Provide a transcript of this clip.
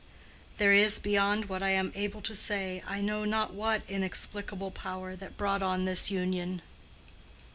There is, beyond what I am able to say, I know not what inexplicable power that brought on this union."